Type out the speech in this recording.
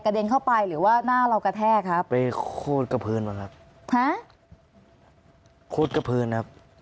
ครูดกระพื้นครับ